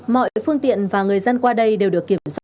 mọi phương tiện và người dân qua đây đều được kiểm soát